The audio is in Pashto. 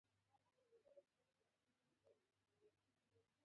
هغه هغې ته د صادق رڼا ګلان ډالۍ هم کړل.